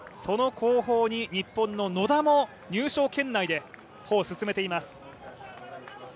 その後方に日本の野田も入賞圏内で歩を進めています。